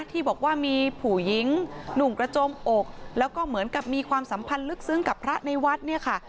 ที่บอกว่ามีผู้หญิงหนุ่มกระจมอกแล้วก็เหมือนกับมีความสัมพันธ์ลึกซึ้งกับพระในวัดเนี่ยค่ะ